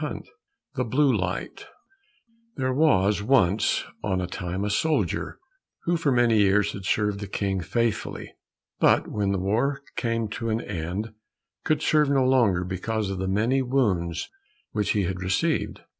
116 The Blue Light There was once on a time a soldier who for many years had served the King faithfully, but when the war came to an end could serve no longer because of the many wounds which he had received.